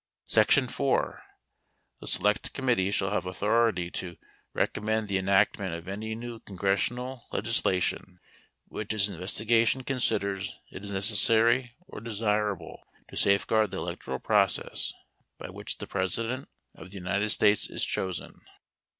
3 Sec. 4. The select committee shall have authority to 4 recommend the enactment of any new congressional legis 5 lation which its investigation considers it is necessary or 6 desirable to safeguard the electoral process by which the 7 President of the United States is chosen.